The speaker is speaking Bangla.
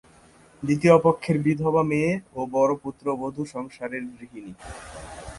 দ্বিতীয়পক্ষের বিধবা মেয়ে ও বড় পুত্রবধূ সংসারের গৃহিণী।